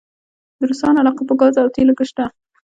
د روسانو علاقه په ګاز او تیلو کې شته؟